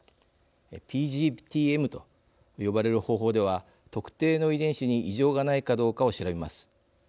ＰＧＴ−Ｍと呼ばれる方法では特定の遺伝子に異常がないかどうかを調べます。